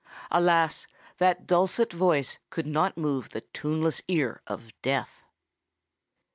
Alas! that dulcet voice could not move the tuneless ear of Death!